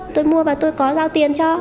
tôi mua và tôi có giao tiền cho